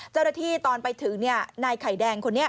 เจ้าหน้าที่ตอนไปถึงนายไข่แดงคนนี้